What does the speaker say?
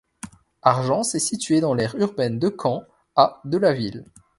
Argences est située dans l’aire urbaine de Caen, à de la ville.